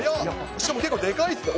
しかも結構でかいですね。